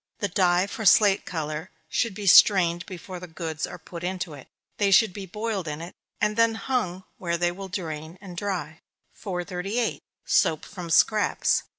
The dye for slate color should be strained before the goods are put into it. They should be boiled in it, and then hung where they will drain and dry. 438. _Soap from Scraps.